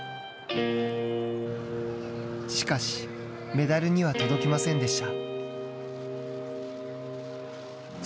しかし、メダルには届きませんでした。